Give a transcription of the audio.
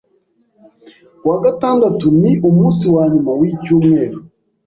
Ku wa gatandatu ni umunsi wanyuma wicyumweru.